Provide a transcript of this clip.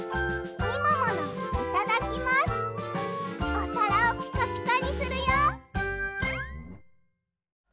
おさらをピカピカにするよ！